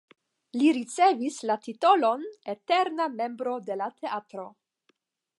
Li ricevis la titolon "eterna membro de la teatro".